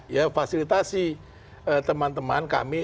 ya fasilitasi teman teman kami